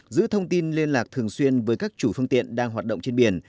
giữ thông tin liên lạc thường xuyên với các chủ phương tiện đang hoạt động trên biển